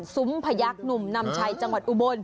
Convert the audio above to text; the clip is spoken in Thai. ซุ้มพยักษ์หนุ่มนำชัยจังหวัดอุบล